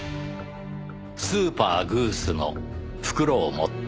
スーパーグースの袋を持って。